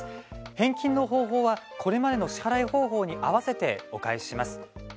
返金の方法はこれまでの支払い方法に合わせてお返しします。